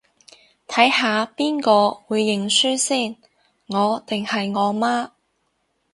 睇下邊個會認輸先，我定係我媽